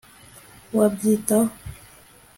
wabyitaho